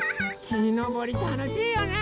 きのぼりたのしいよね！